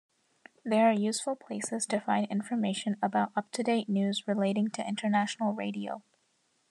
They are useful places to find information about up-to-date news relating to international radio.